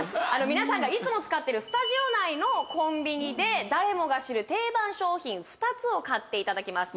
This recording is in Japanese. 皆さんがいつも使ってるスタジオ内のコンビニで誰もが知る定番商品２つを買っていただきます